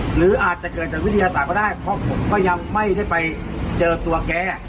หรืออาจจะเกิดจากวิทยาศาสตร์ก็ได้เพราะผมก็ยังไม่ได้ไปเจอตัวแก